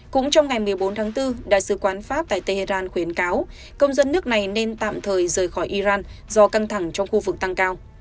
cũng trong ngày một mươi bốn tháng bốn đại sứ quán pháp tại tehran khuyến cáo công dân nước này nên tạm thời rời khỏi iran do căng thẳng trong khu vực tăng cao